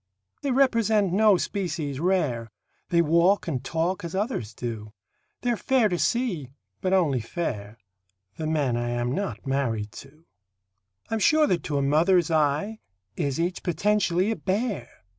They represent no species rare, They walk and talk as others do; They're fair to see but only fair The men I am not married to. I'm sure that to a mother's eye Is each potentially a bear.